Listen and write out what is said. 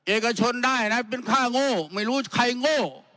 เอกชนได้นะเป็นค่าโง่ไม่รู้ใครโง่